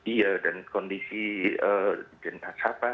iya dan kondisi jantan sapa kan